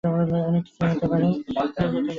অনেক কিছুই হতে পারে।